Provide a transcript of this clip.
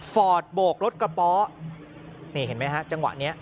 ฟอร์ดโบกรถกระป๋อนี่เห็นไหมฮะจังหวะนี้